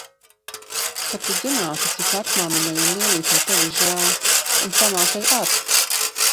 Kad tu zinātu, cik vecmāmiņai un Lienītei tevis žēl. Un pamātei ar.